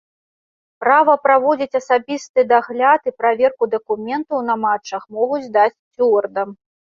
Права праводзіць асабісты дагляд і праверку дакументаў на матчах могуць даць сцюардам.